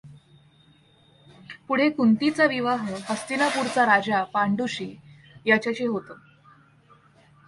पुढे कुंतिचा विवाह हस्तिनापूरचा राजा पांडुशी याच्याशी होतो.